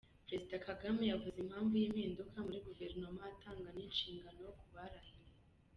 Perezida Kagame yavuze impamvu y’impinduka muri Guverinoma ,atanga n’inshingano ku barahiye.